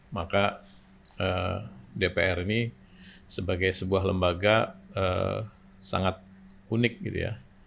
maka dpr ini sebagai sebuah lembaga sangat unik gitu ya